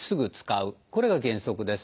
これが原則です。